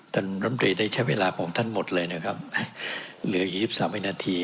ท่านรำตรีได้ใช้เวลาของท่านหมดเลยนะครับเหลือยี่สิบสามวินาที